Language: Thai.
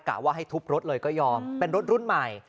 ว่าให้ทุบรถเลยก็ยอมเป็นรถรุ่นใหม่